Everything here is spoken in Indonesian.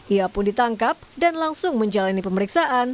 ia pun ditangkap dan langsung menjalani pemeriksaan